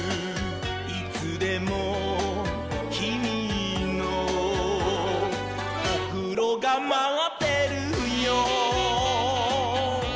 「いつでもきみのおふろがまってるよ」